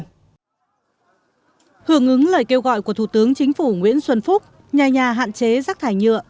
hưởng ứng lời kêu gọi của thủ tướng chính phủ nguyễn xuân phúc nhà nhà hạn chế rác thải nhựa